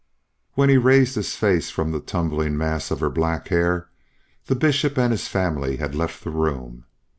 When he raised his face from the tumbling mass of her black hair, the Bishop and his family had left the room.